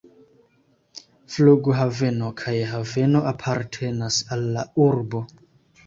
Flughaveno kaj haveno apartenas al la urbo.